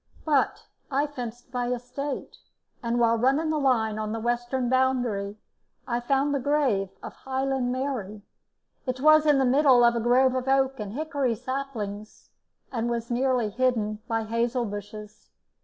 But I fenced my estate; and while running the line on the western boundary I found the grave of Highland Mary. It was in the middle of a grove of oak and hickory saplings, and was nearly hidden by hazel bushes.